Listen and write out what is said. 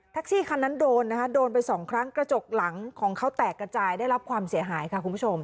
ซี่คันนั้นโดนนะคะโดนไปสองครั้งกระจกหลังของเขาแตกกระจายได้รับความเสียหายค่ะคุณผู้ชม